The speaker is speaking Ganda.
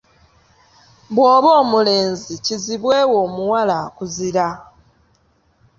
"Bw’oba omulenzi, kizibwe wo omuwala akuzira."